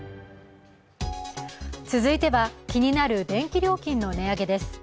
続いては気になる電気料金の値上げです。